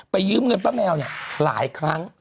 ไปยืมเงินป้าแมวหลายครั้ง